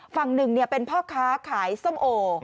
ฝั่งหนึ่งเป็นพ่อค้าขายส้มโอ